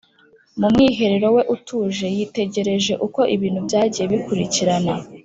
. Mu mwiherero we utuje, yitegereje uko ibintu byagiye bikurikirana